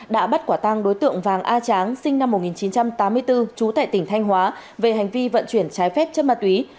đã bắt quả tăng đối tượng vàng a tráng sinh năm một nghìn chín trăm tám mươi bốn trú tại tỉnh thanh hóa về hành vi vận chuyển trái phép chất ma túy